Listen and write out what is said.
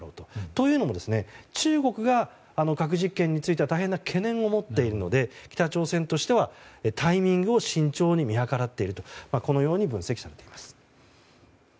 というのも中国が核実験については大変な懸念を持っているので北朝鮮としてはタイミングを慎重に見計らっているとこのように分析されています。